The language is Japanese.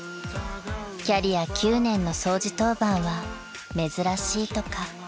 ［キャリア９年の掃除当番は珍しいとか］